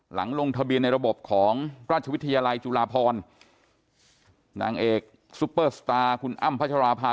ลงทะเบียนในระบบของราชวิทยาลัยจุฬาพรนางเอกซุปเปอร์สตาร์คุณอ้ำพัชราภา